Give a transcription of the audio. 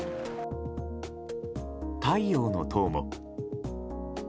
太陽の塔も。